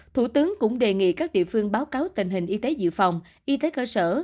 thủ tướng cũng đề nghị các địa phương báo cáo tình hình y tế dự phòng y tế cơ sở